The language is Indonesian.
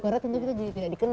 karena tentunya kita tidak dikenal